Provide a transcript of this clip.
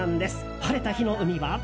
晴れた日の海は。